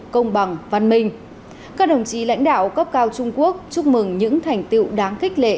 các đồng chí lãnh đạo cấp cao trung quốc chúc mừng những thành tựu đáng kích lệ